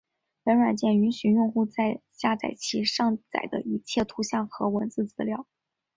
本软件允许用户在下载其上载的一切图像和文字资料。